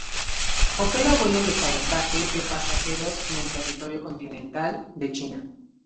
Opera vuelos de cabotaje de pasajeros en el territorio continental de China.